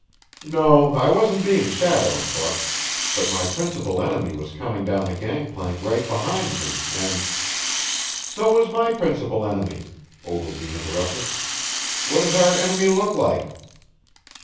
"No, I wasn't being shadowed, Buck, but my principal enemy was coming down the gangplank right behind me, and " "So was my principal enemy," Ogilvy interrupted. "What does our enemy look like?"